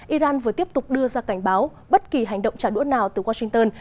iran vừa tiếp tục đưa ra cảnh báo bất kỳ hành động trả đũa nào từ washington